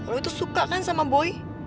lu itu suka kan sama boy